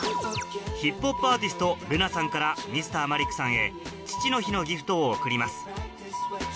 ヒップホップアーティストＬＵＮＡさんからＭｒ．マリックさんへ父の日のギフトを贈ります